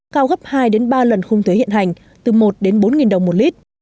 cao gấp hai ba lần khung thuế hiện hành từ một bốn đồng một lít